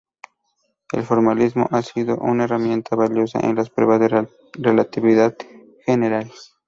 El formalismo ha sido una herramienta valiosa en las pruebas de relatividad general.